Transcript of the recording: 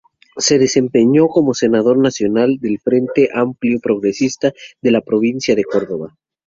Se desempeñó como senador nacional del Frente Amplio Progresista por la Provincia de Córdoba.